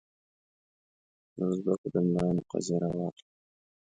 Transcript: دوزبکو د ملایانو قضیه راواخلې.